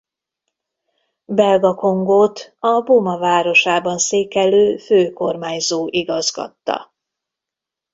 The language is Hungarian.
Belga Kongót a Boma városában székelő főkormányzó igazgatta.